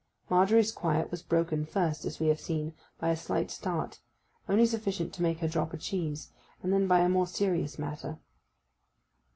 Margery's quiet was broken first, as we have seen, by a slight start, only sufficient to make her drop a cheese; and then by a more serious matter.